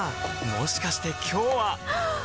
もしかして今日ははっ！